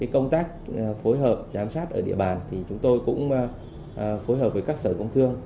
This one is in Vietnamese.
công tác phối hợp giám sát ở địa bàn chúng tôi cũng phối hợp với các sở công thương